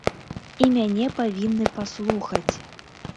І мяне павінны паслухаць.